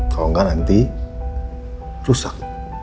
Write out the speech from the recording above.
kalau gak nanti rusak